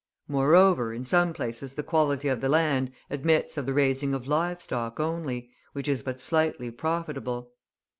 Moreover, in some places the quality of the land admits of the raising of live stock only, which is but slightly profitable.